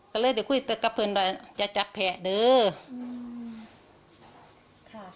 ก็เลยจะคุยกับเขาอย่าจับแผ่ดู